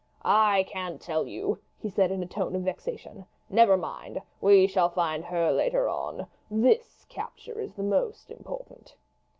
"I can't tell you," he said in a tone of vexation. "Never mind; we shall find her later on. This capture is the most important."